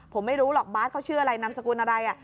ผมไม่รู้หรอกบาสเขาชื่ออะไรนามสกุลอะไร